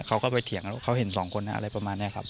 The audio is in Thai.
เขาก็ไปเถียงแล้วเขาเห็นสองคนอะไรประมาณนี้ครับ